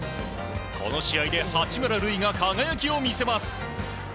この試合で八村塁が輝きを見せます。